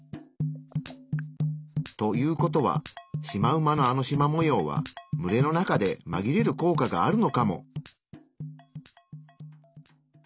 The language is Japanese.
という事はシマウマのあのしま模様は群れの中でまぎれる効果があるのかも。